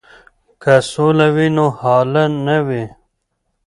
که سوله وي نو هاله نه وي.